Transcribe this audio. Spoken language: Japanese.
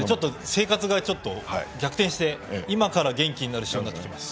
生活がちょっと逆転して今から元気になってきます。